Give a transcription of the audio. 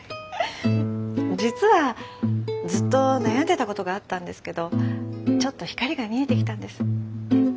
実はずっと悩んでたことがあったんですけどちょっと光が見えてきたんです。